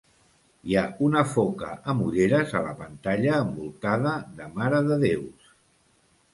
Hi ha una foca amb ulleres a la pantalla envoltada de marededéus.